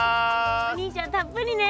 お兄ちゃんたっぷりね。